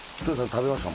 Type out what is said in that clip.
食べました？